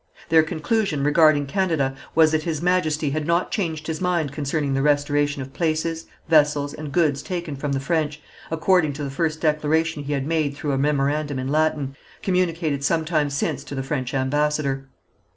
Their conclusion regarding Canada was that His Majesty had not changed his mind concerning the restoration of places, vessels and goods taken from the French, according to the first declaration he had made through a memorandum in Latin, communicated some time since to the French ambassador.